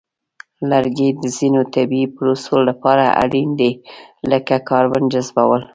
لرګي د ځینو طبیعی پروسو لپاره اړین دي، لکه کاربن جذبول.